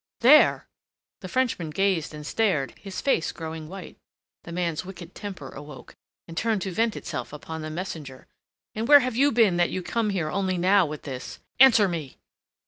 "There!" The Frenchman gazed and stared, his face growing white. The man's wicked temper awoke, and turned to vent itself upon the messenger. "And where have you been that you come here only now with this? Answer me!"